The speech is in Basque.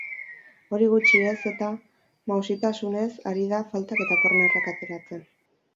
Hori gutxi ez eta, mausitasunez ari da faltak eta kornerrak ateratzen.